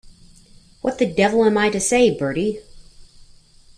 What the devil am I to say, Bertie?